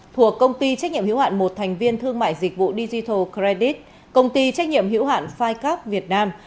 thuộc công ty trách nhiệm hiểu hạn một thành viên thương mại dịch vụ digital credit công ty trách nhiệm hiểu hạn năm cap việt nam